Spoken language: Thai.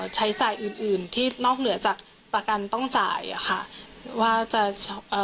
ใช้จ่ายอื่นอื่นที่นอกเหนือจากประกันต้องจ่ายอ่ะค่ะว่าจะเอ่อ